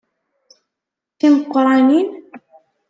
D timeqranin?